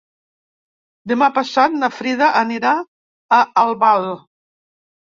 Demà passat na Frida anirà a Albal.